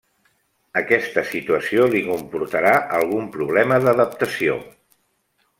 Aquesta situació li comportarà algun problema d'adaptació.